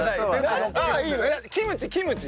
あっキムチキムチ！